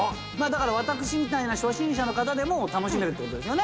だから私みたいな初心者の方でも楽しめるってことですよね。